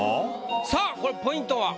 さあこれポイントは？